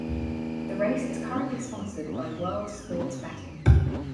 The race is currently sponsored by World Sports Betting.